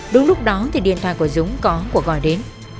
đúng lúc đó thì điện thoại của dũng có cuộc gọi đến